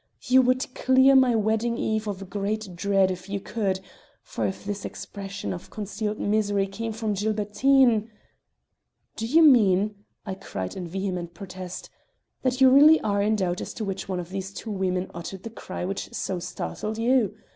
You would clear my wedding eve of a great dread if you could, for if this expression of concealed misery came from Gilbertine " "Do you mean," I cried in vehement protest, "that you really are in doubt as to which of these two women uttered the cry which so startled you?